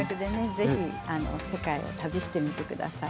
ぜひ世界を旅してみてください。